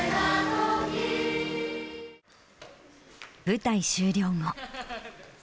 舞台終了後。